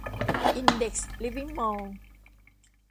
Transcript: อินเด็กซ์ ลิฟวิ่งมอลล์